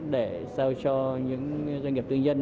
để sao cho những doanh nghiệp tư nhân